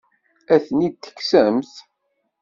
Ad ten-id-tekksemt?